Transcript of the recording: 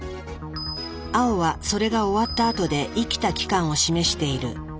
青はそれが終わったあとで生きた期間を示している。